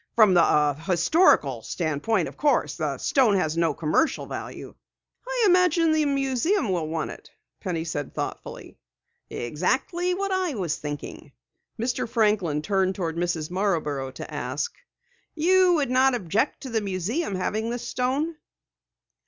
From the historical standpoint, of course. The stone has no commercial value." "I imagine the museum will want it," Penny said thoughtfully. "Exactly what I was thinking." Mr. Franklin turned toward Mrs. Marborough to ask: "You would not object to the museum having this stone?"